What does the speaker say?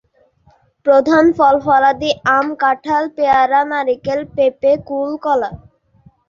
প্রধান ফল-ফলাদি আম, কাঁঠাল, পেয়ারা, নারিকেল, পেঁপে, কূল, কলা।